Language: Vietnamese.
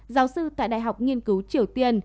giáo sư tại đại học nghiên cứu triều tiên